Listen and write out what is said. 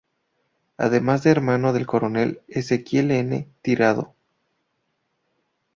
Además de hermano del Coronel Ezequiel N. Tirado.